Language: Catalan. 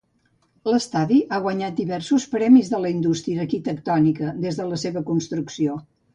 L'estadi ha guanyat diversos premis de la indústria arquitectònica des de la seva construcció.